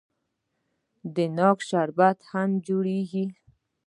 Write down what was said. د ناک شربت هم جوړیږي.